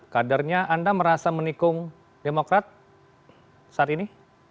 kadernya anda merasa menikung demokrat saat ini